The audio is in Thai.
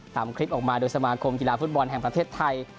ตามคลิปออกมาโดยสมาคมกีฬาฟุตบอลแห่งประเทศไทย